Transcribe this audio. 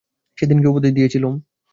সেদিন কী উপদেশ দিয়েছিলুম।